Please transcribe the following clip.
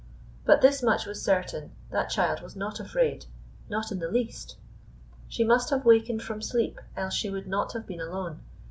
But this much was certain: that child was not afraid. Not in the least! She must have wakened from sleep, else she would not have been alone.